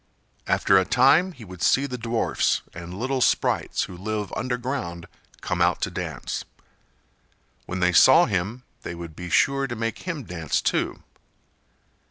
After a time he would see the dwarfs and little sprites who live underground come out to dance. When they saw him they would be sure to make him dance too.